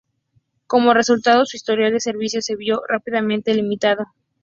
Como resultado, su historial de servicio se vio rápidamente limitado.